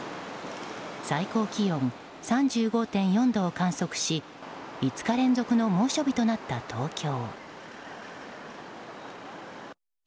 最高気温３５．４度を記録し５日連続の猛暑日となった東京。